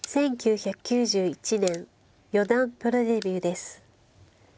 １９９１年四段プロデビューです。